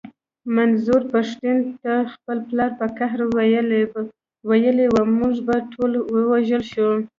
منظور پښتين ته خپل پلار په قهر ويلي و مونږ به ټول ووژل شو.